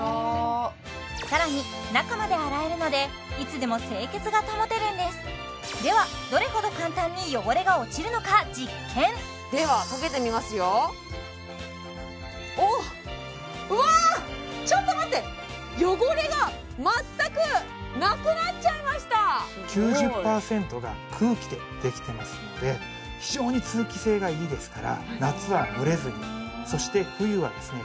更に中まで洗えるのでいつでも清潔が保てるんですではどれほど簡単に汚れが落ちるのか実験ではかけてみますよおおうわちょっと待って汚れが全くなくなっちゃいました９０％が空気でできてますので非常に通気性がいいですから夏は蒸れずにそして冬はですね